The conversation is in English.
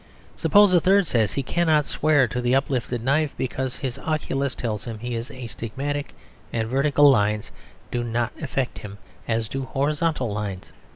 Suppose a third says he cannot swear to the uplifted knife, because his oculist tells him he is astigmatic, and vertical lines do not affect him as do horizontal lines.